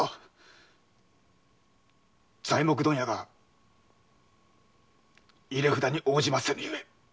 材木問屋が入れ札に応じませぬゆえ。